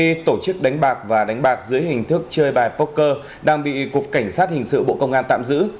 về tổ chức đánh bạc và đánh bạc dưới hình thức chơi bài poker đang bị cục cảnh sát hình sự bộ công an tạm giữ